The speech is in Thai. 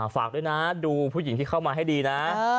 ฝากด้วยนะดูผู้หญิงที่เข้ามาให้ดีนะ